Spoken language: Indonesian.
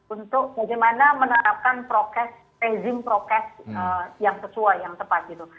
untuk bagaimana menerapkan prokes rezim prokes yang sesuai yang tepat gitu